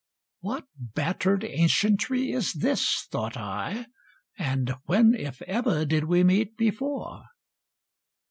"What battered ancientry is this," thought I, And when, if ever, did we meet before?"